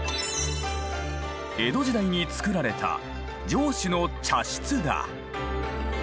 江戸時代に造られた城主の茶室だ。